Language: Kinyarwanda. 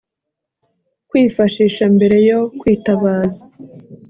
kwifashisha mbere yo kwitabaza